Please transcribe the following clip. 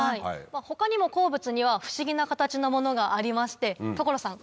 他にも鉱物には不思議な形のものがありまして所さん